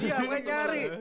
iya mau cari